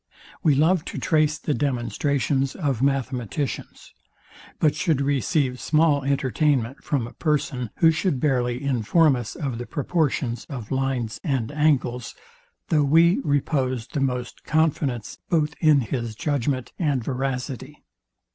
We love to trace the demonstrations of mathematicians; but should receive small entertainment from a person, who should barely inform us of the proportions of lines and angles, though we reposed the utmost confidence both in his judgment and veracity.